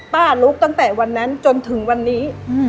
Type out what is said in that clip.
ลุกตั้งแต่วันนั้นจนถึงวันนี้